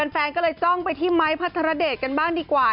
แฟนก็เลยจ้องไปที่ไม้พัทรเดชกันบ้างดีกว่า